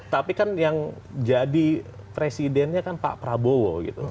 tapi kan yang jadi presidennya kan pak prabowo gitu